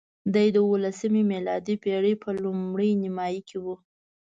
دی د اوولسمې میلادي پېړۍ په لومړۍ نیمایي کې وو.